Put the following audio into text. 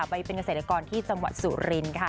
ไปเป็นเกษตรกรที่จังหวัดสุรินค่ะ